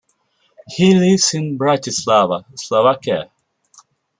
He lives in Bratislava, Slovakia.